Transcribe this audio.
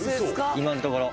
今のところ」